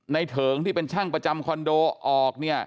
เถิงที่เป็นช่างประจำคอนโดออก